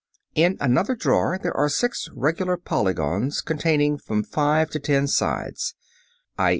] (4) In another drawer there are six regular polygons containing from five to ten sides, _i.